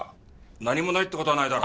何もないって事はないだろ。